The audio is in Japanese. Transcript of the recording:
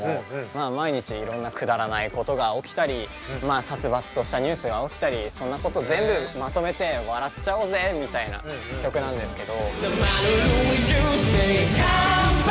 まあ毎日いろんなくだらないことが起きたり殺伐としたニュースが起きたりそんなこと全部まとめて笑っちゃおうぜみたいな曲なんですけど。